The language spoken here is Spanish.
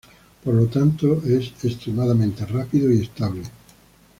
Por lo tanto, es extremamente rápido y estable.